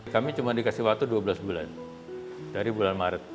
kami cuma dikasih waktu dua belas bulan dari bulan maret